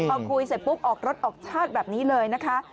พอคุยเสร็จปุ๊บออกรถออกชาติแบบนี้เลยนะคะ